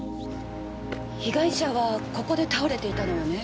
被害者はここで倒れていたのよね？